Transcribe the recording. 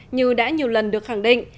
như đã nhiều lần được khẳng định